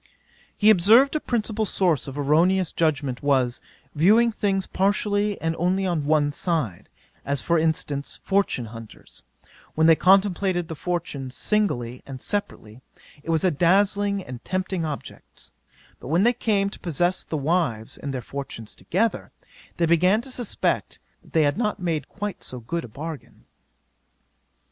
'He observed, a principal source of erroneous judgement was, viewing things partially and only on one side: as for instance, fortune hunters, when they contemplated the fortunes singly and separately, it was a dazzling and tempting object; but when they came to possess the wives and their fortunes together, they began to suspect that they had not made quite so good a bargain.